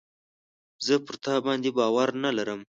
زه پر تا باندي باور نه لرم .